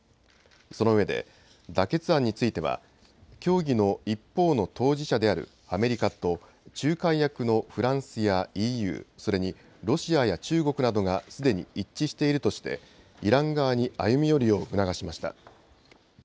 そのうえで、妥結案については協議の一方の当事者であるアメリカと仲介役のフランスやＥＵ、それにロシアや中国などがすでに一致しているとしてイラン側に歩み寄るよう促しました。